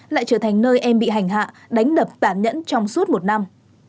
lại trở thành nơi em bị hành hạ đánh đập tản nhẫn trong suốt một năm